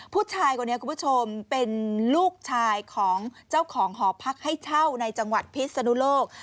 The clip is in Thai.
ผู้ชายคนนี้คุณผู้ชมเป็นลูกชายของเจ้าของหอพักให้เช่าในจังหวัดพิษนุโลก